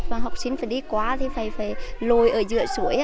và học sinh phải đi qua thì phải lùi ở giữa suối